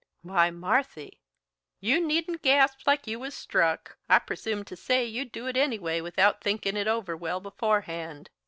"Why, Marthy!" "You needn't gasp like you was struck. I presume to say you'd do it anyway without thinkin' it over well beforehand.